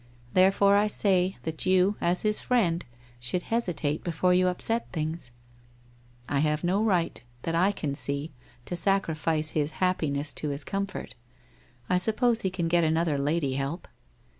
Therefore I say, that you, as his friend, should hesitate before you upset things.' ' I have no right that I can see to sacrifice his happiness to his comfort. I suppose he can get another lady help.'